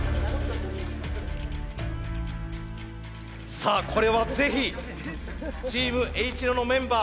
さあこれはぜひチームＨ野のメンバー。